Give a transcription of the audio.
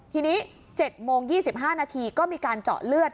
ทีนี้๗โมง๒๕นาทีก็มีการเจาะเลือด